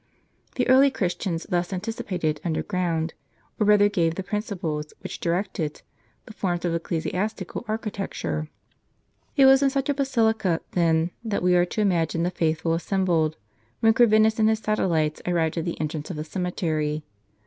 The early Christians thus anticipated underground, or rather gave the i^rinciples which directed, the forms of ecclesiastical archi tecture. It was in such a basilica, then, that we are to imagine the faithful assembled, when Corvinus and his satellites arrived at the entrance of the cemetery.